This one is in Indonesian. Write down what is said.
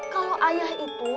kalau ayah itu